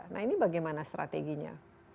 nah ini bagaimana strateginya